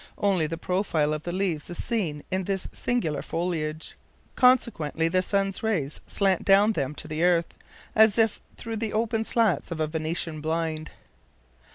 Only the profile of the leaves is seen in this singular foliage. Consequently the sun's rays slant down them to the earth, as if through the open slants of a Venetian blind.